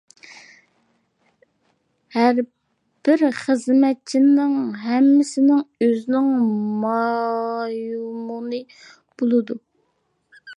ھەر بىر خىزمەتچىنىڭ ھەممىسىنىڭ ئۆزىنىڭ مايمۇنى بولىدۇ.